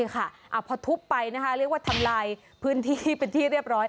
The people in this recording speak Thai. ก็คือมันมุดลงไป